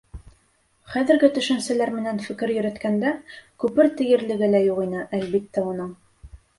Хәҙерге төшөнсәләр менән фекер йөрөткәндә, күпер тиерлеге лә юҡ ине, әлбиттә, уның.